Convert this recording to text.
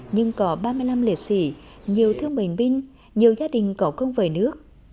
nhưng có ba mươi năm liệt sĩ nhiều thương mệnh binh nhiều gia đình có công vời nước